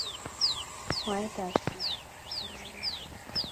mwaet ap kie isumbuani